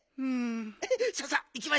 さあさあいきましょう。